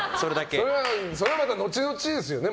それは後々ですよね。